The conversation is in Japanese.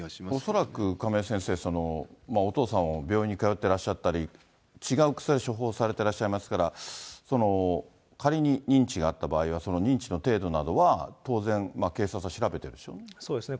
恐らく亀井先生、お父さんは病院に通ってらっしゃったり、違う薬を処方されていらっしゃいますから、仮に認知があった場合は、その認知の程度などは、当然、警察は調べてるでしょうね。